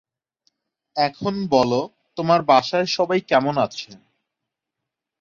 এই স্থানটি ঘাগগার-হাকরা নদীর সমভূমিতে অবস্থিত।